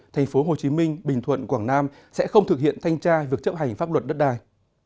tp hcm bình thuận quảng nam sẽ không thực hiện thanh tra việc chấp hành pháp luật đất đai